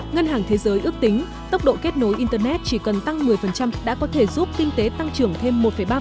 ngân hàng thế giới ước tính tốc độ kết nối internet chỉ cần tăng một mươi đã có thể giúp kinh tế tăng trưởng thêm một ba